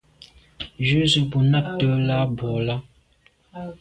Jù jujù ze bo nabte à bwô là.